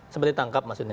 seperti ditangkap maksudnya